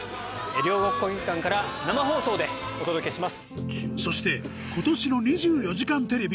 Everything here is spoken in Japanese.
両国・国技館から生放送でお届けします。